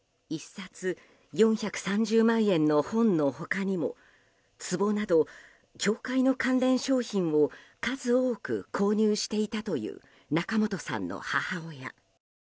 １冊４３０万円の本の他にも壺など教会の関連商品を数多く購入していたという仲本さんの母親。